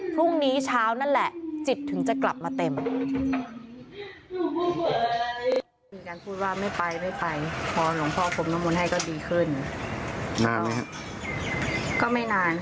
พรุ่งนี้เช้านั่นแหละจิตถึงจะกลับมาเต็ม